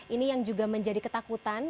ini yang juga menjadi ketakutan